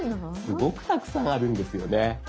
すごくたくさんあるんですよね。